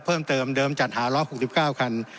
เพิ่มเติมเดิมจัดหา๑๖๙คัน